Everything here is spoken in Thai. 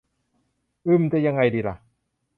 อืม จะยังไงดีล่ะ